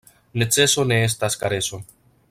Neceso ne estas kareso.